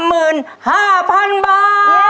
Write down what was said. ขอบคุณป้าขอบคุณป้าขอบคุณครอบครัวมากครับ